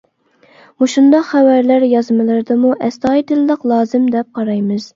مۇشۇنداق خەۋەرلەر يازمىلىرىدىمۇ ئەستايىدىللىق لازىم دەپ قارايمىز؟ !